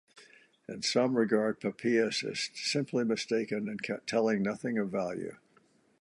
And some regard Papias as simply mistaken and telling nothing of value.